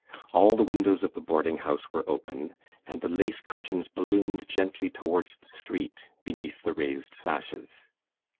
All the windows of the boarding house were open and the lace curtains ballooned gently towards the street beneath the raised sashes.